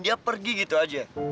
dia pergi gitu aja